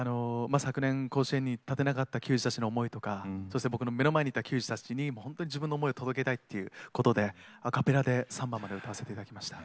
昨年甲子園に立てなかった球児たちの思いとかそして僕の目の前にいた球児たちにほんとに自分の思いを届けたいっていうことでアカペラで３番まで歌わせていただきました。